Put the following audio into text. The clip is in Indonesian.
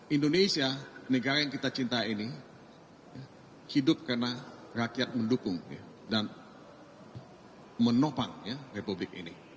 indonesia negara yang kita cinta ini hidup karena rakyat mendukung dan menopang republik ini